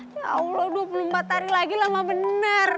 ya allah dua puluh empat hari lagi lama benar